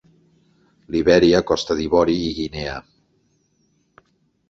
Libèria, Costa d'Ivori i Guinea.